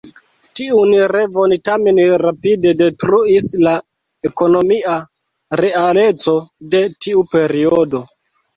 Tiun revon tamen rapide detruis la ekonomia realeco de tiu periodo.